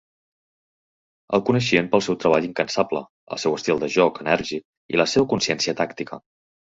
El coneixien pel seu treball incansable, el seu estil de joc enèrgic i la seva consciència tàctica.